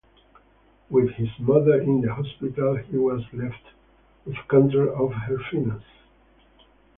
With his mother in the hospital, he was left with control of her finances.